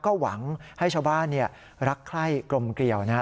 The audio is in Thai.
ก็หวังให้ชาวบ้านรักไข้กลมเกลียวนะครับ